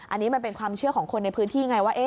อันนี้มันเป็นความเชื่อของคนในพื้นที่ไงว่า